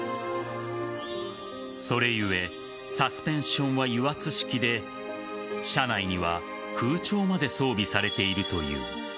それ故サスペンションは油圧式で車内には空調まで装備されているという。